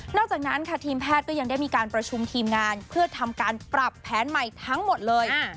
จากนั้นค่ะทีมแพทย์ก็ยังได้มีการประชุมทีมงานเพื่อทำการปรับแผนใหม่ทั้งหมดเลย